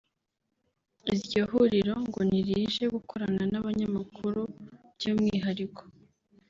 Iryo huriro ngo ntirije gukorana n’abanyamakuru by’umwihariko